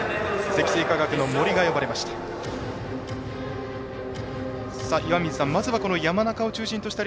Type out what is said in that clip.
積水化学の森が呼ばれました。